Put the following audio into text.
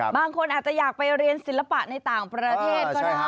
บางคนอาจจะอยากไปเรียนศิลปะในต่างประเทศก็ได้